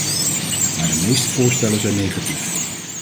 Maar de meeste voorstellen zijn negatief.